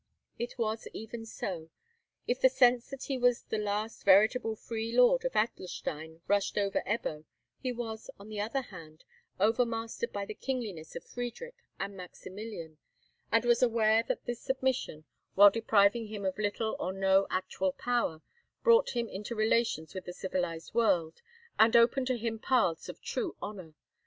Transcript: It was even so. If the sense that he was the last veritable free lord of Adlerstein rushed over Ebbo, he was, on the other hand, overmastered by the kingliness of Friedrich and Maximilian, and was aware that this submission, while depriving him of little or no actual power, brought him into relations with the civilized world, and opened to him paths of true honour.